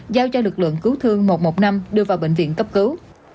giao cho lực lượng cứu thương một trăm một mươi năm đưa vào bệnh viện cấp cứu